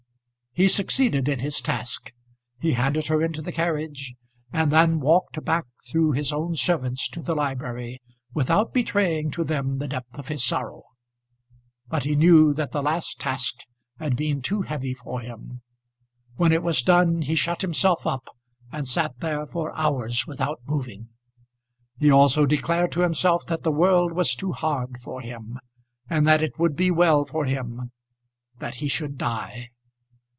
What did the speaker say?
He succeeded in his task. He handed her into the carriage, and then walked back through his own servants to the library without betraying to them the depth of his sorrow; but he knew that the last task had been too heavy for him. When it was done he shut himself up and sat there for hours without moving. He also declared to himself that the world was too hard for him, and that it would be well for him that he should die.